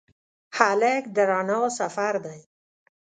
هلک د رڼا سفر دی.